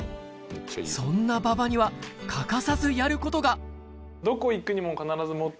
そんな馬場には欠かさずやることがどこ行くにも。